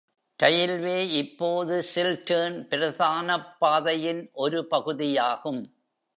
Railway இப்போது Chiltern பிரதானப் பாதையின் ஒரு பகுதியாகும்.